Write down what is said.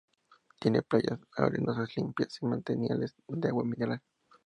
Tiene playas arenosas limpias y manantiales de agua mineral.